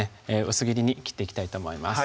薄切りに切っていきたいと思います